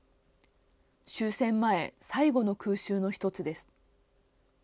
終戦前、最後の空襲の１つです。